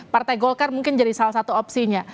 partai golkar mungkin jadi salah satu opsinya